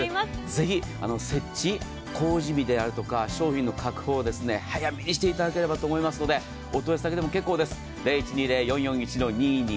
ぜひ、設置工事日であるとか商品の確保を早めにしていただければと思いますのでお問い合わせだけでも結構です。